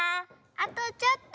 あとちょっと。